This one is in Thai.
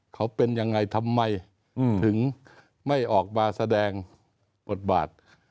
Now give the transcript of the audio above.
เขาเป็นยังไงทำไมถึงไม่ออกมาแสดงบทบาท